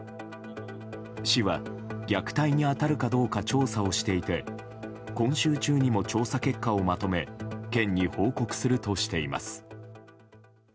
市は、虐待に当たるかどうか調査をしていて今週中にも調査結果をまとめ県に報告するとしています。